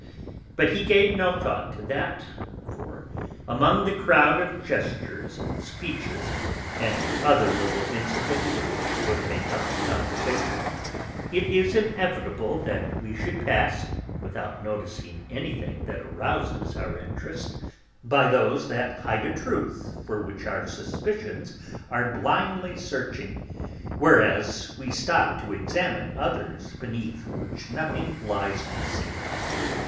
But he gave no thought to that, for, among the crowd of gestures and speeches and other little incidents which go to make up a conversation, it is inevitable that we should pass (without noticing anything that arouses our interest) by those that hide a truth for which our suspicions are blindly searching, whereas we stop to examine others beneath which nothing lies concealed.